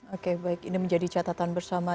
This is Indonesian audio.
oke baik ini menjadi catatan bersama